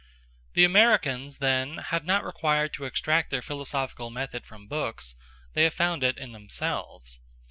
The Americans then have not required to extract their philosophical method from books; they have found it in themselves.